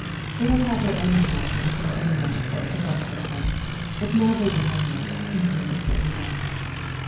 They had had their own house and some vineyards at Sebastopol, but now they were homeless, and came to stay with us.